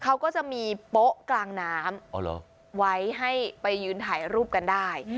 เขาก็จะมีโป๊ะกลางน้ำไว้ให้ไปยืนถ่ายรูปกันได้